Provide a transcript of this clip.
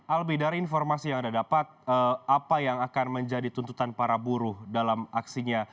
albi dari informasi yang anda dapat apa yang akan menjadi tuntutan para buruh dalam aksinya